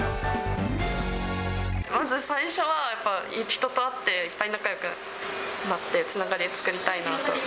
まず最初は、やっぱり人と会って、仲よくなってつながり作りたいなと。